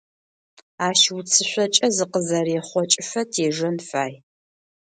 Ащ уцышъокӀэ зыкъызэрехъокӀыфэ тежэн фай.